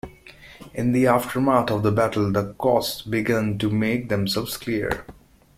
In the aftermath of the battle, the costs began to make themselves clear.